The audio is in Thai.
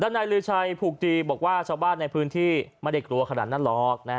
นายลือชัยผูกจีบอกว่าชาวบ้านในพื้นที่ไม่ได้กลัวขนาดนั้นหรอก